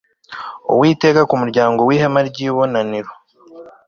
uwiteka ku muryango w ihema ry ibonaniro